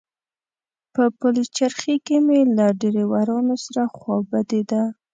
په پلچرخي کې مې له ډریورانو سره خوا بدېده.